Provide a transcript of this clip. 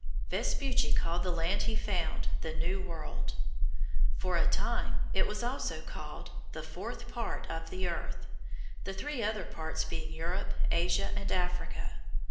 Vespucci called the land he found the New World. For a time it was also called the Fourth Part of the Earth, the other three parts being Europe, Asia, and Africa.